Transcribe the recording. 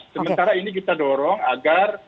sementara ini kita dorong agar